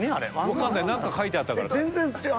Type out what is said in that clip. わかんない何か描いてあったからさ。